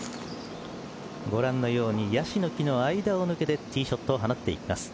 ご覧のように椰子の木の間を抜けてティーショットを放っていきます。